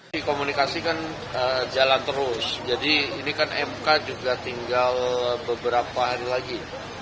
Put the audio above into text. di komunikasi kan jalan terus jadi ini kan mk juga tinggal beberapa hari lagi